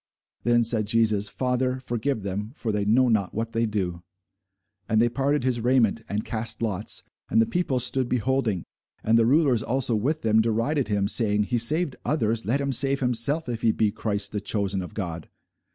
Then said Jesus, Father, forgive them; for they know not what they do. And they parted his raiment, and cast lots. And the people stood beholding. And the rulers also with them derided him, saying, He saved others; let him save himself, if he be Christ, the chosen of God.